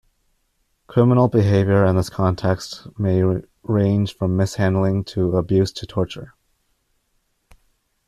Criminal behavior in this context may range from mishandling to abuse to torture.